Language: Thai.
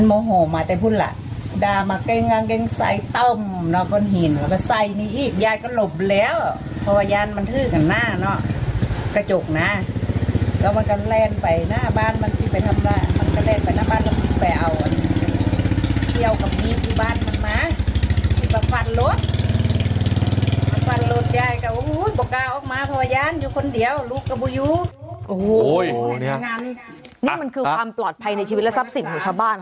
นี่มันคือความปลอดภัยในชีวิตและทรัพย์สินของชาวบ้าน